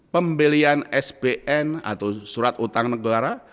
pembelian sbn atau surat utang negara